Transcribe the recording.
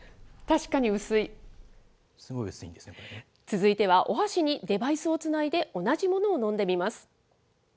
続いては、お箸にデバイスをつないで、同じものを飲んでみます。